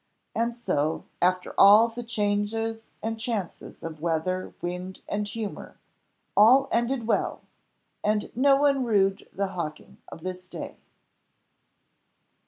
And so, after all the changes and chances of weather, wind, and humour, all ended well, and no one rued the hawking of this day.